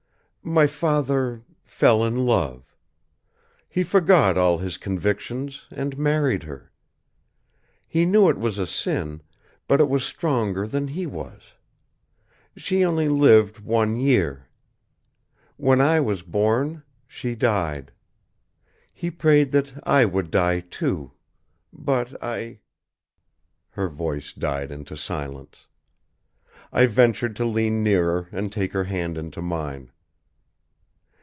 My father fell in love. He forgot all his convictions and married her. He knew it was a sin, but it was stronger than he was. She only lived one year. When I was born, she died. He prayed that I would die, too. But I " Her voice died into silence. I ventured to lean nearer and take her hand into mine.